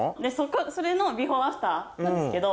それのビフォーアフターなんですけど。